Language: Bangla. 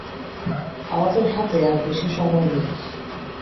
আমাদের হাতে আর বেশি সময় নেই।